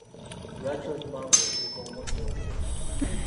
lwaki olima ng'oziika omuddo ogwo?